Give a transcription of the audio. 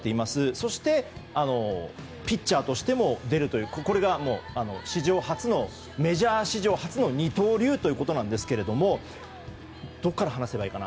そしてピッチャーとしても出るというメジャー史上初の二刀流ということなんですがどこから話せばいいかな。